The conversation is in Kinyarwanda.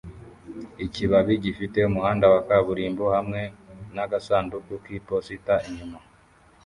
ikibabi gifite umuhanda wa kaburimbo hamwe nagasanduku k'iposita inyuma